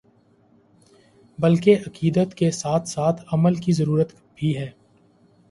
بلکہ عقیدت کے ساتھ ساتھ عمل کی ضرورت بھی ہے ۔